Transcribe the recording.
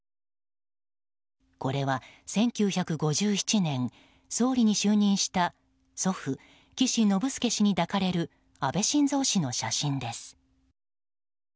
これは１９５７年総理に就任した祖父・岸信介氏に抱かれる安倍晋三氏の写真です。